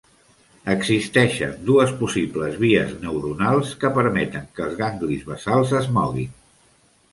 Existeixen dues possibles vies neuronals que permeten que els ganglis basals es moguin.